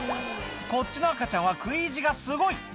こっちの赤ちゃんは食い意地がすごい！